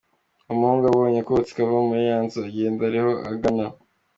Uwo muhungu abonye akotsi kava muri ya nzu; agenda ariho agana.